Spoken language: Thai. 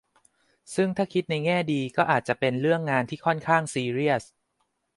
ซึ่งถ้าคิดในแง่ดีก็อาจจะเป็นเรื่องงานที่ค่อนข้างซีเรียส